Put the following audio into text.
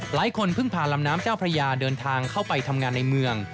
หลายคนเพิ่งผ่านลำน้ำเจ้าพระยาเดินทางเข้าไปทำงานในเมือง